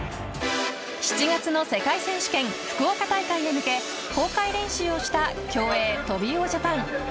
７月の世界選手権福岡大会へ向け公開練習をした競泳トビウオジャパン。